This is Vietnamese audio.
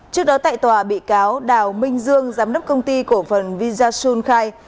trước đó tại tòa bị cáo đào minh dương giám đốc công ty của phần visa sun khai